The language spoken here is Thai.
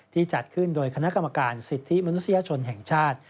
จัดขึ้นโดยคณะกรรมการสิทธิมนุษยชนแห่งชาติ